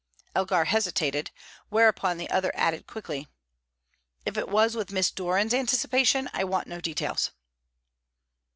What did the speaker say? Elgar hesitated; whereupon the other added quickly: "If it was with Miss Doran's anticipation, I want no details."